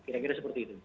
kira kira seperti itu